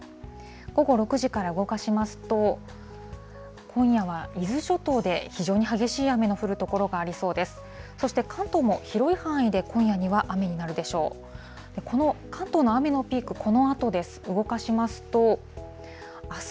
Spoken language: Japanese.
午後６時から動かしますと、今夜は伊豆諸島で非常に激しい雨の降る所がありそうです。